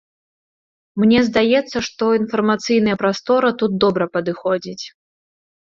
Мне здаецца, што інфармацыйная прастора тут добра падыходзіць.